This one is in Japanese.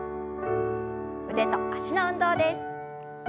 腕と脚の運動です。